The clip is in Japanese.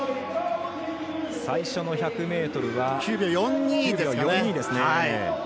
最初の１００ｍは９秒４２ですね。